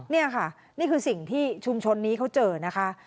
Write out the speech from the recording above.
นี่ค่ะนี่คือสิ่งที่ชุมชนนี้เขาเจอนะคะ